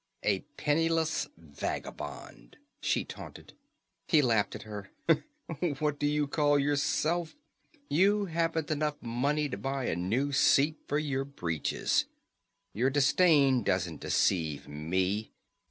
"A penniless vagabond," she taunted. He laughed at her. "What do you call yourself? You haven't enough money to buy a new seat for your breeches. Your disdain doesn't deceive me.